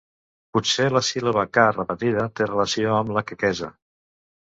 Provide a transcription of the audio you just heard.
Potser la síl·laba ca repetida té relació amb la quequesa.